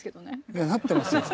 いやなってますよ。